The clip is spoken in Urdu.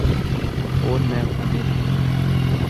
اورمیخانے بھی۔